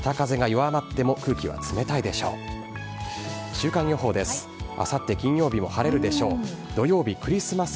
週間予報です。